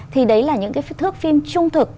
thì đấy là những cái thước phim trung thực